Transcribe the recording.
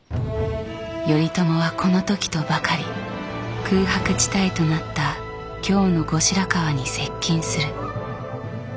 頼朝はこの時とばかり空白地帯となった京の後白河に接近する。